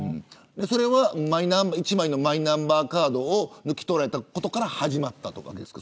それは１枚のマイナンバーカードを抜き取られたことから始まったんですか。